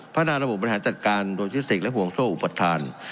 นาระบบบริหารจัดการโดยซิสติกและห่วงโซ่อุปทาน